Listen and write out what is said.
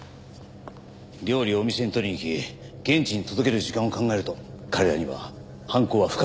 料理をお店に取りに行き現地に届ける時間を考えると彼らには犯行は不可能です。